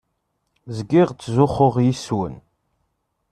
Zgiɣ ttzuxxuɣ yes-wen.